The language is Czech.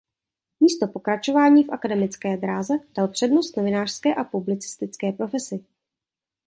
Místo pokračování v akademické dráze dal přednost novinářské a publicistické profesi.